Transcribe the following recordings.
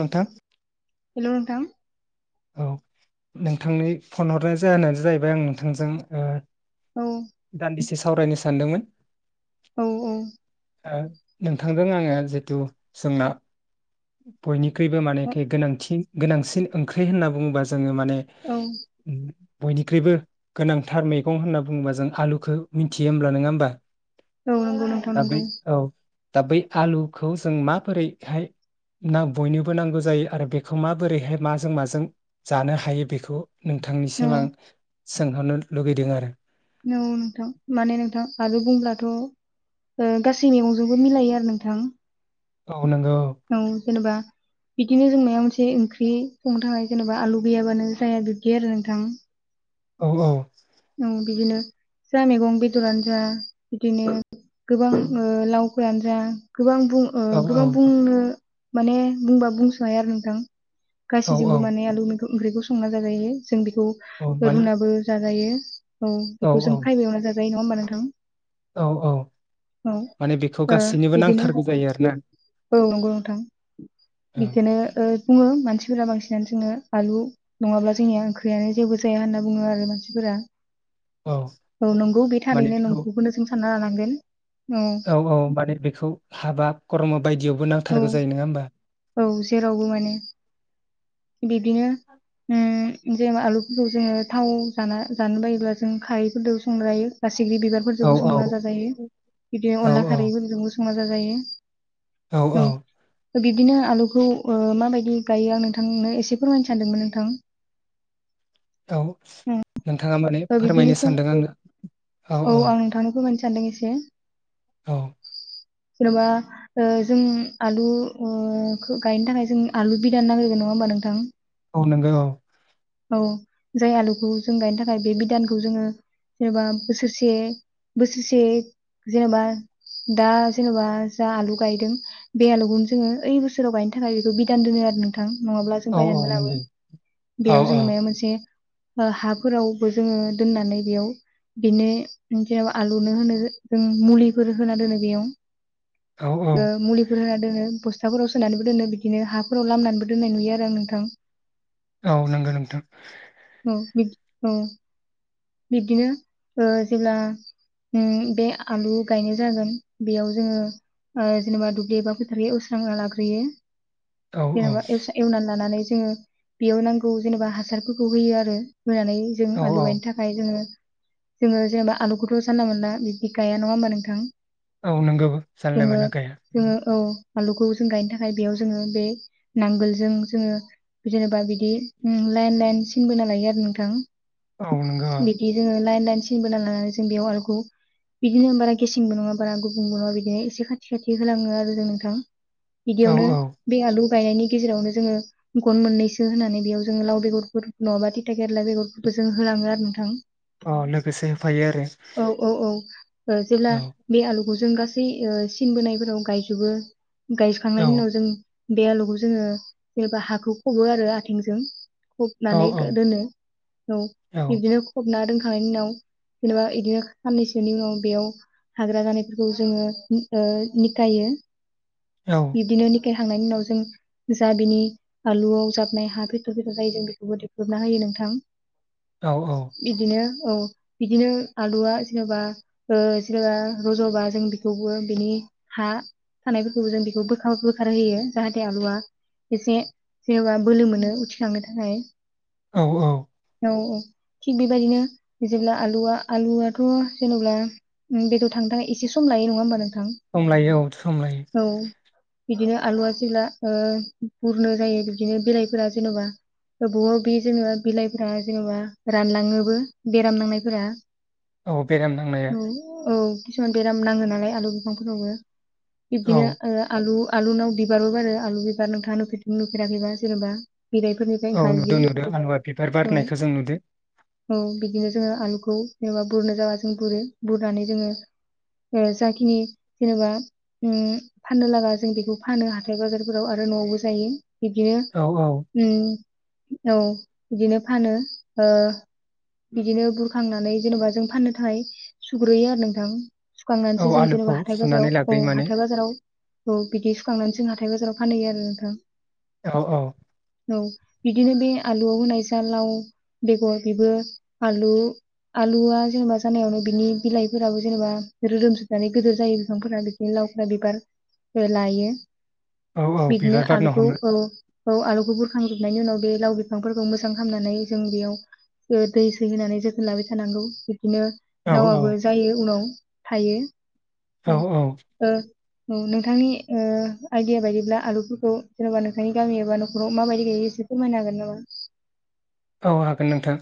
नोंथां। हेलौ नोंथां। औ नोंथांनि फन हरनाय जाहोनानो जाहैबाय आं नोंथांजों ओ औ दान्दिसे सावरायनो सानदोंमोन। औ औ। [unintelligible] नोंथांजों आङो जेथु जोंना बयनिख्रुइबो मानेखि गोनांथि गोनांसिन ओं ख्रि होनना बुङोबा जोङो। माने। औ बयनिख्रुइबो गोनांथार मैगं होनना बुङोबा जों आलुखौ मिथियो होमब्ला नङा होमबा? औ नंगौ नोंथां दा बै नंगौ औ दा बे। आलुखौ जों माबोरैहाय ना बयनोबो नांगौ जायो आरो बेखौ माबोरैहाय मा जों माजों जानो हायो बेखौ औ नोंथांनिसिम आं। सोंहदनो लुगैदों आरो। नंगौ नोंथां माने नोंथां आलु बुंब्लाथ' ओ गासै मैगंजोंबो मिलायो आरो नोंथां। औ नोंगौ। औ जेनेबा बिदिनो जों माया मोनसे ओंख्रि संनो थाखाय जेनेबा आलु गैयाबानो जाया बिब्दि आरो नोंथां। औ औ। औ बिदिनो जा मैगं बेदरानो जा बिदिनो गोबां ओ लावफोरानो जा। गोबां बुं ओ औ औ गोबां बुंनो माने बुंबाबो बुंस'हाया आरो नोंथां। औ औ गासैजोंबो माने आलु मैगं ओंख्रिखौ संना जाजायो, जों बेखौ औ माने रुनाबो जायो औ बेखौ जों फ्रायबो एवना जा जायो नङा होमबा नोंथां? औ औ औ माने बेखौ ओ गासैनोबो बिदिनो नांथारगौ जायो आरोना औ नंगौ नोंथां औ बेखौनो ओ जोङो मानसि फोरा बांसिनानो जोंनो आलु नङाब्ला जोंनिया ओंख्रियानो जेबो जाया होनना बुङो आरो मानसिफोरा। औ औ नंगौ बे माने थारैनो बेखौ नोंगौखौनो जों सानना लानां गोन। औ औ माने बेखौ हाबा खर्म बायदियावबो नां औ थारगौ जायो नङा होनबा? औ जेरावबो माने। बिदिनो ओम जेन आलुफोरखौ जोङो थाव जाना जानो बायोब्ला जों खारैफोरजों संजायो सिंग्रि औ बिबारफोरजोंबो औ संनोना जाजायो। बिदिनो औ अनला खारैफोरजोंबो संना जाजायो। औ औ। बिदिनो आलुखौ ओ माबायदि गायो आं नोंथांनो एसे फोरमायनो सानदोंमोन नोंथां। औ नोंथाङा माने ओ बिब्दिनो फोरमायनो जों सानदों आंनो औ औ। आं नोंथांनो फोरमायनो सानदों एसे। औ। जेन'बा ओ जों आलु ओ खौ गायनो थाखाय जों आलु बिदान नांगोरगोन नङा होमबा नोंथां? औ नोंगौ औ। औ जाय आलुखौ जों गायनो थाखाय बे बिदानखौ जोङो जेनेबा बोसोरसे बोसोरसे जेनेबा दा जेनेबा जा आलु गायदों बे आलुखौनो जोङो ओइ बोसोराव बायनो थाखाय बेखौ बिदान दोनो आरो नोंथां। नङाब्ला जों औ औ बायनानैबो नंगौ लाबोयो। औ बेयाव जोङो माइबा मोनसे ओ हाफोरावबो जोङो दोननानै बेयाव बेनो जेन आलुनो होनो जों मुलिफोर होना दोनो बेयाव औ औ ओ मुलिफोर होना दोनो। बस्थाफोराव सोनानैबो दोनो बिदिनो हाफोराव लामनानैबो दोननाय नुयो आरो आं नोंथां। औ नंगौ नोंथां। औ बि औ बिब्दिनो ओ जेब्ला ओम बे आलु गायनाय जागोन बेयाव जोङो ओ जेनेबा दुब्लि एबा फोथार एवस्रांना लाग्रोयो। औ औ जेनेबा एवस्रां एउनानै लानानै जोङो बेयाव नांगौ जेनेबा हासारफोर खौ होयो आरो। होनानै जों औ आलु औ गायनो थाखाय जोङो जोङो जेनेबा आलुखौथ' जानला मोनला बिदि गाया नङा होमबा नोंथां औ नोंगौ जानला जोङो मोनला गाया जोङो औ आलुखौ जों गायनो थाखाय बेयाव जोङो बे नांगोलजों जोङो जेनेबा बिदि लाइन- लाइन सिन बोना लायो आरो नोंथां औ नंगौ बिदिनो लाइन -लाइन सिन बोना लनानै जों बेयाव आलुखौ बिदिनो बारा गेसेंबो नङा बारा गुबुंबो नङा बिदिनो एसे खाथि -खाथि होलाङो आरो जों नोंथां औ बिदियावनो औ बे आलु गायनायनि गेजेरावनो जोङो गन मोननैसो होननानै बेयाव जोङो लाव बेगरफोर नङाबा थिथा खेरला बेगरफोरखौबो जों होलाङो आरो नोंथां औ लोगोसे होफायो आरो औ -औ- औ जेब्ला औ बे आलु जों गासै ओ सिन बोनायफोराव गायजोबो औ गायखांनायनि उनाव जों बे आलुखौ जोङो जेनेबा हाखौ फबो आरो आथिंजों औ नानै गोदोनो औ बिदिनो फबना दोन थाखांनायनि उनाव जेनेबा बिदिनो साननैसोनि उनाव बेयाव हाग्रा जानायफोरखौ जोङो निखायो औ बिदिनो निखाय फेरखांनायनि उनाव जों जा बिनि आलुआव जाबनाय हा बेदर- बेदर जायो जों बे बो देख्रुबना होयो नोंथां औ बिदिनो औ बिदिनो आलुआ जेनेबा -ओ जेनेबा रज'बा जों बेखौबो बिनि हा थानायफोरखौबो जों बेखौ बो बोखार होयो जाहाथे आलुआ एसे जेन'बा बोलो मोनो उथिखांनो थाखाय औ- औ औ -औ थिग बेबायदिनो जेब्ला आलुआ आलुआथ' जेनेबा बेदर थांनो थाखाय एसे सम लायो नङा होमब नों सम लायो औ सम लायो बिदिनो आलुआ जेला बुरनो जायो बिदिनो बिलाइफोरा जेन'बा गोबावआव बे जेनेबा बिलाइफोरा जेनेबा रानलाङोबो बेराम नांनायफोरा औ बेराम नांनाया औ किसुमान बेराम नाङो नालाय आलु बिफांफोरावबो बिदिनो औ ओ आलु आलुनाव बिबारबो बारो आलु बिबार नोंथाङा नुफेराखैबा जेनेबा बिराय औ नुदों- नुदो आलुवा बिबार बारनायखौ जों नुदो औ बिदिनो जोङो आलुखौ जेनेबा बुरनो जाबा जों बुरो बुरनानै जोङो जाखिनि जेनेबा फाननो लागा जों बेखौ फानो हाथाय बाजारफोराव आरो न'आवबो जायो बिदिनो औ औ उम औ बिदिनो फानो ओ बिदिनो बुरखांनानै जेन'बा जों फाननो थाखाय सुग्रोयो आरो नोंथां औ सुखांनानैसो जों आलुखौ जेनेबा हाथाय सुनानै बाजाराव औ लाग्रोयो माने हाथाय बाजाराव। औ बिदि सुखांनानै जों हाथाय बाजाराव फानहैयो आरो नोंथां औ औ। औ। बिदिनो बे आलुआव होनाय जा लाव बेगर बेबो आलु आलुआ जेनेबा जानायावनो बिनि बिलाइफोराबो जेनेबा रोदोमसोबनानै गिदिर जायो बिफांफोरा बिदिनो लावफोरा बिबार लायो औ औ बिदिनो बिबार बारनो आलुखौ हमो। औ औ आलु बुरखां। हनायनि उनाव बे लाव बिफांफोरखौ मोजां खालामनानै जों बेयाव दै सै होनानै जोथोन लाबाय थानांगौ बिदिनो औ नावाबो जायो उनाव थायो। औ ओ। औ नोंथांनि ओ आइदिया बायदिब्ला आलुफोरखौ जेन'बा नोंथांनि गामि एबा न'खराव माबायदि गायो फोरमायनो हागोन नामा? औ हागोन नोंथां।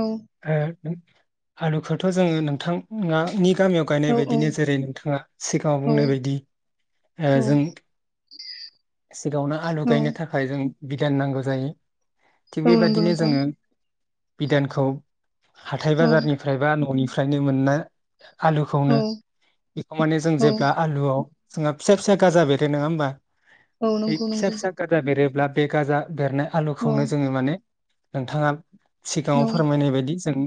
औ हा। आलुखौथ' जोङो नोंथांया नि। गामियाव औ गायनाय औ बायदिनो जेरै नोंथाङा सिगाङाव बुंनाय औ बायदि ओ जों। सिगाङावनो आलु औ गायनो थाखाय जों बिदान नांगौ जायो थिग औ नंगौ बेबादिनो नोंथां जोङो बिदानखौ हाथाय औ बाजारनिफ्राय बा न'निफ्राय फ्रायनो मोननाय औ आलुखौनो बेखौ माने जों औ जेब्ला आलुआव जोंहा फिसा फिसा गाजा बेरो नङा होमबा। औ बे नंगौ फिसा नंगौ फिसा खादा बेरो। अब्ला बे गाजा। बेरनाय औ आलुखौनो जोङो माने। नोंथाङा। औ सिगाङाव फोरमायनाय बायदि जों।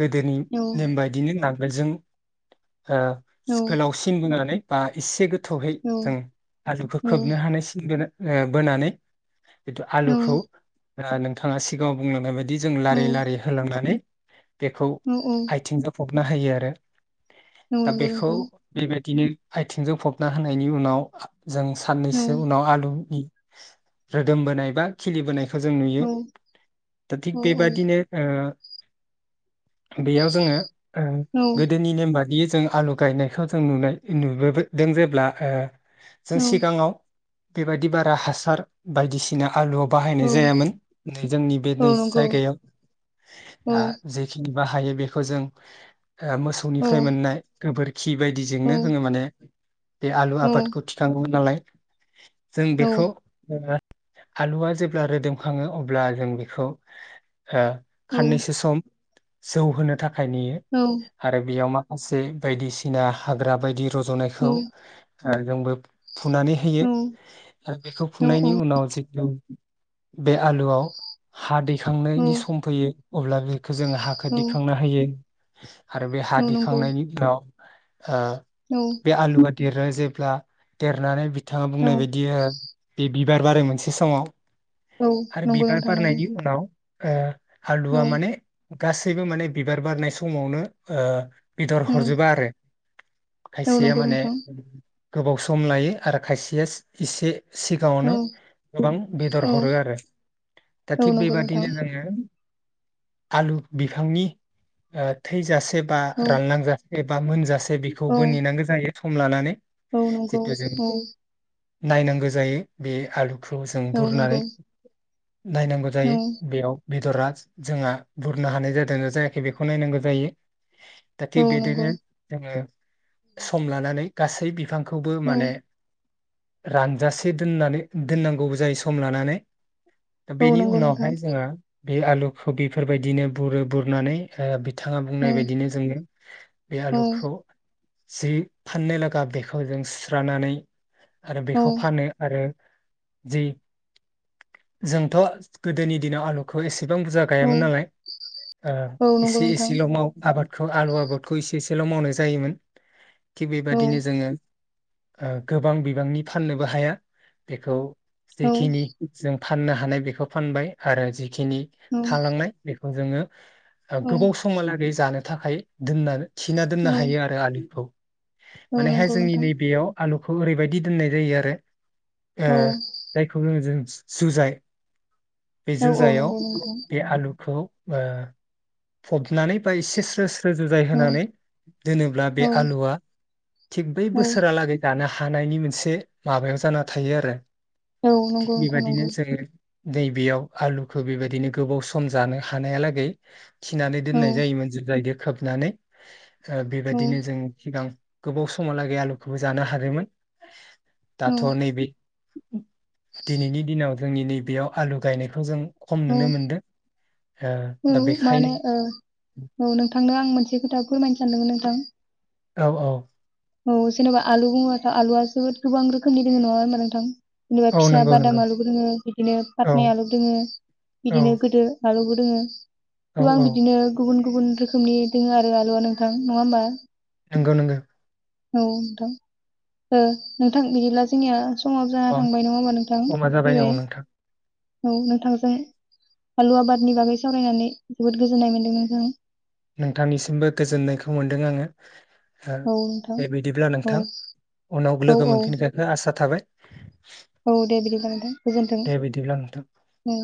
गोदोनि औ नेम बायदिनो ना बेजों। ओ औ गोलावसिन बोनानै बा इसे गो थौहै जों हाजोफोरखौ औ थिग बेनो बोनानै बेथु आलुखौ ओ नोंथाङा सिगाङाव बुंलांनाय बायदि बिदि जों लारि औ लारि होलांनानै बेखौ औ औ आथिंबो फब ना होयो आरो। नौ दा नंगौ बेखौ नोंथां बिबा बिदिनो आथिंजों फबना होनायनि उनाव जों साननैसो उनाव आलुनि रोदोम बोनाय बा खिलिबोनायखौ खौ जों नुयो औ दा औ थिग बेबादिनो ओ बेयाव जोङो ओ औ गोदोनि नेम बादि जों आलु गायनायखौ जों नुनाय नुबोबोदों जेब्ला ओ जों औ। सिगाङाव बेबायदि बारा हासार बायदिसिना आलु बाहायनाय औ जायामोन नै जोंनि बे औ नै नंगौ जायगायाव औ दा जेखिनि बा हायो बेखौ जों ओ औ मोसौनिफ्राय मोननाय गोबोर खि औ बायदिजोंनो जोङो माने बे आलु औ आबादखौ थिखाङौ नालाय [inaudible] जों औ बेखौ जेनेबा आलुआ जेब्ला रोदोमखाङो अब्ला जों बेखौ हो खाननैसो सम जौहोनो थाखाय य नेयो आरो बेयाव मा माखासे बायदिसिना हाग्रा बायदि रज' नायखौ ओ जोंबो फुनानै होयो औ आरो बेखौ फुनायनि नंगौ उनाव जे बे आलुआव हा दैै खांनायनि सम फैयो अब्ला बेखो जोङो हाखो दिखांना होयो। [inaudible] आरो बे हा दिखांनायनि उनाव। ओ औ बे आलु देरो जेब्ला। देरनानै बिद बिथाङा औ बुंनाय बायदि बे बिबार बारो मोनसे समाव। औ आरो नंगौ बिबार नोंथां नंगौ। बारनायनि उनाव ओ। औ हादुवा माने। गासैबो माने बिबार बारनाय समावनो ओ। बेदर हरजोबा आरो। खायसेया माने। गोबाव स सम लायो आरो खायसेया इस-इसे। सिगाङावनो गोबां बेदर औ हरो आरो दा औ नंगौ नोंथां औ थिग नंगौ नोंथां बेबादिनो जोङो। आलु बिफांनि ओ थैजासे। एबा औ रानलांजासे। एबा मोनजासे औ बेखौबो नेनांगौ जायो। सम लानानै। औ नंगौ जिथु औ। जों नायनांगौ जायो बे आलु। [unintelligible] जों औ बुरनानै। नंगौ नायनांगौ जायो बेयाव। बेदरा जोंहा बुरनो हानाय जादों जायाखै बेखौ नायनांगौ जायो। दा थिग बिदिनो जोङो। सम लानानै गासै बिफां। खौबो औ माने रानजासे दोननानै दोननांगौबो जायो सम लानानै। दा औ नंगौ औ बेनि नंगौ नोंथां उनावहाय जोङो। बे आलुखौ बेफोरबायदिनो बुरो बुरनानै ओ बिथाङा औ बुंनाय बायदिनो जोङो बे आलुखौ जि फाननो लागा बे खौ जों सुस्रानानै आरो औ बेखौ फानो आरो जि जोंथ गोदोनि दिनाव आलुखौ एसे बां बुरजा औ गायामोन नालाय औ नंगौ एसे नोंथां एसेल मावो आबाद बेखौ आलु आबादखौ इसे एसेल मावनाय जायोमोन। थिग औ बेबायदिनो जोङो गोबां बिबांनि फाननोबो हाया बेखौ औ जेखिनि जों फाननो हानाय बेखौ फानबाय आरो जि खिनि औ थालांनाय बे खौ जोङो औ गोबाव समा लागै जानो थाखाय दोनना खिना दोननो औ हायो आरो आलिखौ औ जोंनि नोंथां नैबेयाव आलु बेखौ ओरैबायदि दोननाय जायो आरो औ ए जायखौ होनो जों जुजाय बे औ औ जुजायाव नंगौ नोंथां बे आलुखौ फबनानै बा एसे स्रो जुजाइ औ होनानै दोनोब्ला बे औ आलुआ थिग बै औ बोसोरहालागै दानो हा हानायनि मोनसे माबायाव जाना थायो आरो। औ थिग नंगौ नोंथां बेबायदिनो नंगौ। जोङो नैबेयाव आलुखौ बेबायदिनो गोबाव सम जानो हानायालागै थिनानै औ दोननाय जायोमोन जुजाइदो खोबनानै औ बेबायदिनो जों सिगां गोबाव समहालागै आलुखौबो जानो हादोंमोन। औ दाथ' नैबि दिनैनि दिनाव जोंनि नैबेयाव आलु गायनायखौ जों खम औ नुनो मोनदों ओ औ दा बेखायनो मानो ओ औ नोंथांनो आं मोन से खोथा फोरमायनो सानदोंमोन नोंथां? औ औ औ जेनबा आलु बुङोबाथ' आलुआ जोबोद गोबां रोखोमनि दोङो नङा ओमबा नोंथां? जेनेबा औ फिसा नंगौ बादाम नंगौ आलु दोङो बिदिनो औ फातनाय आलु दोङो औ बिदिनो गोदो आलुगुद दोङो। औ गोबां औ बिदिनो गुबुन गुबुन रोख खमनि दोङो आरो आलुआ नोंथां नङा ओमबा? नोंगौ नोंगो। औ नोंथां ओ नोंथां बिदिब्ला जोंनिया समाबो जाना अ थांबाय नङा ओमबा नोंथां समा जाबाय औ फैबाय नोंथां औ नोंथांजों आलु आबादनि बागै सावरायनानै जोबोद गोजोननाय मोन्दों नोंथां। नोंथांनिसिमबो गोजोननायखौ मोनदों आङो। औ नोंथां दे बिदिब्ला नोंथां औ उनाव औ लोगो औ मोनफिनगोखो आसा थाबाय। औ दे बिदिब्ला नोंथां गोजोनथों दे बिदिब्ला नोंथां। औ।